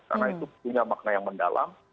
karena itu punya makna yang mendalam